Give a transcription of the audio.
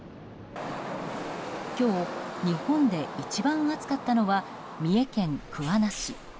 今日、日本で一番暑かったのは三重県桑名市。